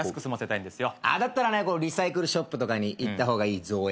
だったらリサイクルショップとか行った方がいいぞえ。